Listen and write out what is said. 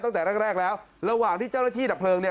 ตั้งแต่แรกแรกแล้วระหว่างที่เจ้าหน้าที่ดับเพลิงเนี่ย